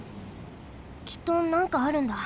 きっとなんかあるんだ。